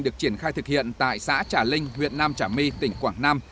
được triển khai thực hiện tại xã trả linh huyện nam trả my tỉnh quảng nam